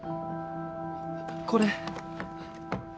これ。